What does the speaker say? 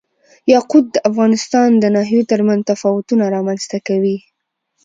یاقوت د افغانستان د ناحیو ترمنځ تفاوتونه رامنځ ته کوي.